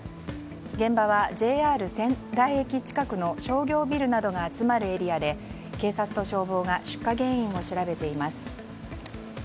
現場はＪＲ仙台駅近くの商業ビルなどが集まるエリアで警察と消防が出火原因を調べています。